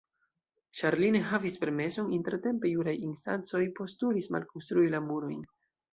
Ĉar li ne havis permeson, intertempe juraj instancoj postulis malkonstrui la murojn.